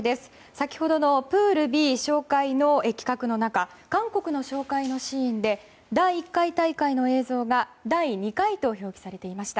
先ほどのプールＢ紹介の企画の中韓国の紹介のシーンで第１回大会の映像が第２回と表記されていました。